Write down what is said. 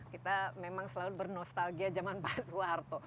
kita memang selalu bernostalgia zaman pak suharto